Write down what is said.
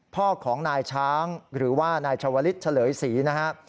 พ่อของนายช้างหรือว่านายชาวลิศเฉลยศรีนะครับ